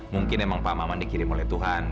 mungkin emang pak maman dikirim oleh tuhan